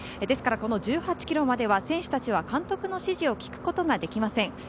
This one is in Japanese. ですからこの１８ｋｍまでは選手たちは監督の指示を聞くことができません。